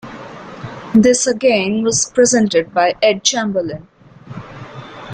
This again was presented by Ed Chamberlin.